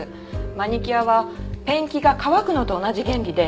マニキュアはペンキが乾くのと同じ原理で。